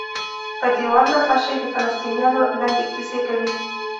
پر دیوال نقاشۍ د فلسطینیانو لنډې کیسې کوي.